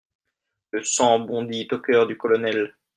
Le sang bondit au cœur du colonel.